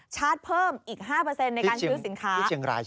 ชาร์จเพิ่มอีก๕ในการซื้อสินค้า